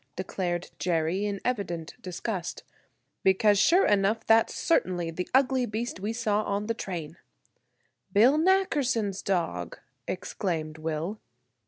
declared Jerry, in evident disgust; "because sure enough that's certainly the ugly beast we saw on the train." "Bill Nackerson's dog!" exclaimed Will.